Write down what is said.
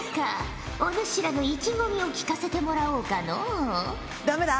お主らの意気込みを聞かせてもらおうかのう？